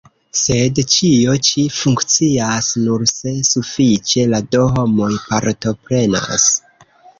Sed ĉio ĉi funkcias nur se sufiĉe da homoj partoprenas.